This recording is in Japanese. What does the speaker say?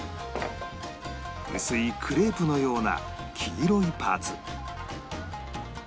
薄いクレープのような黄色いパーツ